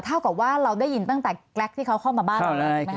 เท่ากับว่าเราได้ยินตั้งแต่แกรกที่เขาเข้ามาบ้านเราแล้วใช่ไหมค